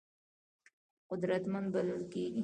قدرتمند بلل کېږي.